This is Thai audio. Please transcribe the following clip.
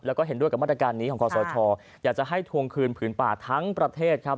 แล้วก็เห็นด้วยกับมาตรการนี้ของคอสชอยากจะให้ทวงคืนผืนป่าทั้งประเทศครับ